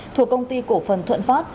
thuộc công ty cổ phần thuận pháp